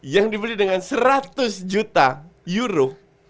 yang dibeli dengan seratus juta euro